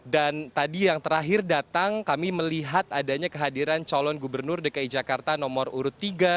dan tadi yang terakhir datang kami melihat adanya kehadiran colon gubernur dki jakarta nomor urut tiga